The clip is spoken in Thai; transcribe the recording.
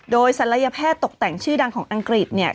โดยศัลยแพทย์ตกแต่งชื่อดังของอังกฤษเนี่ย